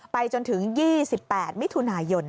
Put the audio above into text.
จนถึง๒๘มิถุนายน